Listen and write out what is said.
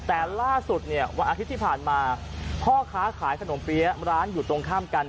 แต่ล่าสุดเนี่ยวันอาทิตย์ที่ผ่านมาพ่อค้าขายขนมเปี๊ยะร้านอยู่ตรงข้ามกัน